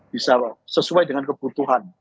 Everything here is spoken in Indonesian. bisa sesuai dengan kebutuhan